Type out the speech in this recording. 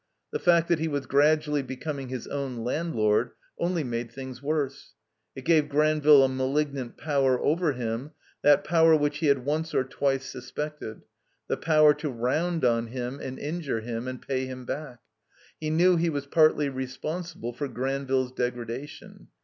The fact that he was gradually becoming his own landlord only made things worse. It gave Granville a malignant power over him, that power which he had once or twice suspected, the power to round on him and injure him and pay him back. He knew he was partly responsible for Granville's degradation.